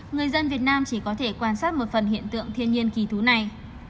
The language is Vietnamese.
người dân việt nam chỉ có thể quan sát một phần hiện tượng thiên nhiên kỳ thú này